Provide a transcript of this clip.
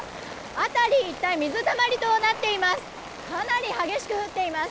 辺り一帯水たまりとなっています。